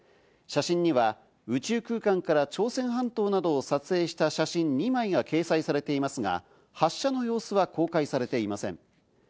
写真には宇宙空間から朝鮮半島などを撮影した写真２枚が掲載されていますが、発射の様子は公開されていません。